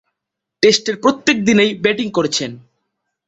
টেস্টের প্রত্যেক দিনেই ব্যাটিং করেছেন।